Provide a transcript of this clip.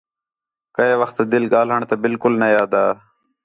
کَئے وخت دِِل ڳاھلݨ تا بالکل نے آہدا